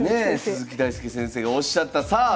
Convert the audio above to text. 鈴木大介先生がおっしゃったさあ